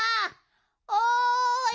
おい！